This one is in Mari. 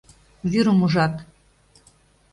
Вӱрым ужат!